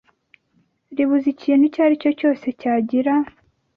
Ribuza ikintu icyo aricyo cyose cyagira